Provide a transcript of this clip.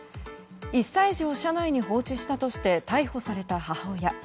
１歳児を車内に放置したとして逮捕された母親。